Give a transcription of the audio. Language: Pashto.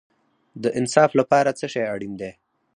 د انصاف لپاره څه شی اړین دی؟